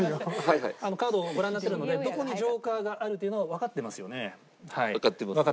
カードをご覧になってるのでどこにＪＯＫＥＲがあるというのはわかってますよね？